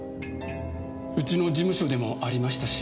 うちの事務所でもありましたし。